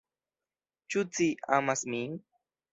Ĉu ci amas min?